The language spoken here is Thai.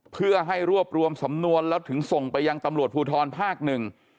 เพื่อให้รวบรวมสำนวนแล้วถึงส่งไปยังตำรวจภูทรภาคหนึ่ง